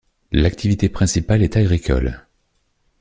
L'activité principale est agricole.